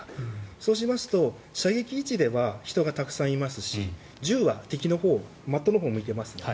そうしますと、射撃位置では人がたくさんいますし銃は敵のほう的のほうを向いていますので